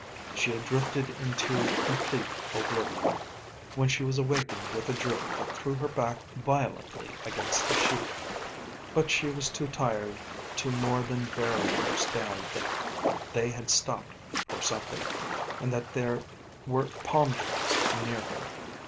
She had drifted into complete oblivion, when she was awakened with a jerk that threw her back violently against the Sheik, but she was too tired to more than barely understand that they had stopped for something, and that there were palm trees near her.